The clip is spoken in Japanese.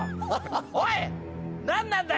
おい何なんだよ